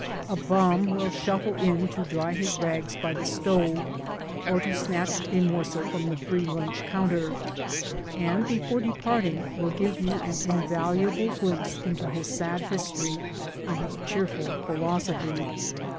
A bum will shuffle in to dry his rags by the stove or to snatch a morsel from the free lunch coimter, and before departing will give you an invaluable glimpse into his sad history and his cheerful philosophy.